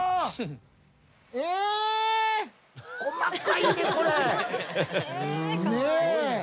細かいねこれ。